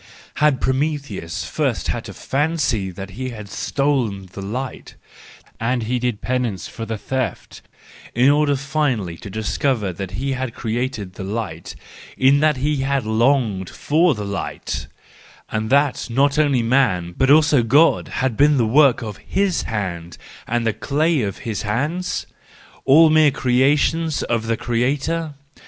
Had Prome¬ theus first to fancy that he had stolen the light, and that he did penance for the theft—in order finally to discover that he had created the light, in that he had longed for the light , and that not only man, but also God had been the work of his hands and the clay in his hands? All mere creations of the creator?